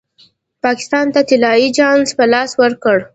پاکستان ته طلايي چانس په لاس ورکړ.